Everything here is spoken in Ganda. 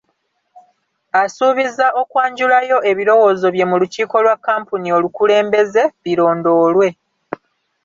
Asuubiza okwanjulayo ebirowoozo bye mu lukiiko lwa kkampuni olukulembeze birondoolwe.